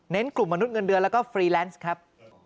กลุ่มมนุษย์เงินเดือนแล้วก็ฟรีแลนซ์ครับ